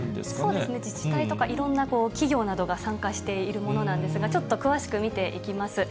そうですね、自治体とかいろんな企業などが参加しているものなんですが、ちょっと詳しく見ていきます。